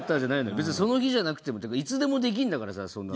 別にその日じゃなくてもいつでもできるんだからさそんなの。